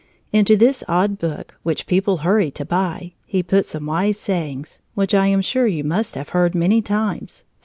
Into this odd book, which people hurried to buy, he put some wise sayings, which I am sure you must have heard many times.